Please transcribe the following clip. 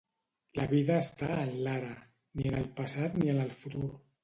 La vida està en l'ara, ni en el passat ni en el futur.